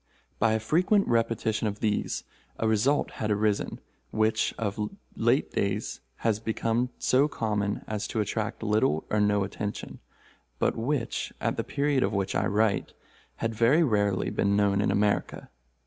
By a frequent repetition of these, a result had arisen, which of late days has become so common as to attract little or no attention, but which, at the period of which I write, had very rarely been known in America.